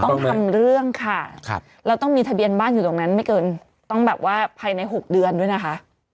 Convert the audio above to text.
ต้องทำเรื่องค่ะเราต้องมีทะเบียนบ้านอยู่ตรงนั้นไม่เกินต้องแบบว่าภายใน๖เดือนด้วยนะคะ